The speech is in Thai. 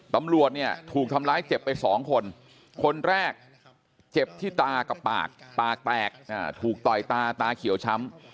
ตำรวจเนี่ยถูกทำร้ายเจ็บไปสองคนคนแรกเจ็บที่ตากับปากปากแตกถูกต่อยตาตาเขียวช้ำ